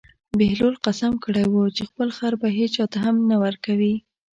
بهلول قسم کړی و چې خپل خر به هېچا ته هم نه ورکوي.